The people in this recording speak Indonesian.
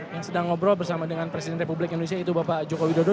yang sedang ngobrol bersama dengan presiden republik indonesia yaitu bapak joko widodo